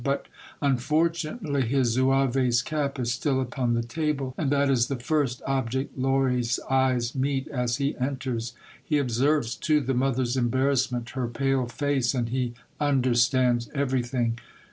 But, unfortunately, his zouave's cap is still upon the table, and that is the first ob ject Lory's eyes meet as he enters. He observes, too, the mother's embarrassment, her pale face, and he understands everything.